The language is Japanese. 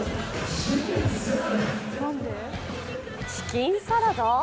チキンサラダ？